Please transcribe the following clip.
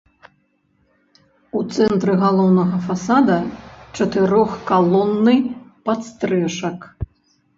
У цэнтры галоўнага фасада чатырох-калонны падстрэшак.